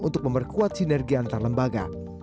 untuk memperkuat sinergi antar lembaga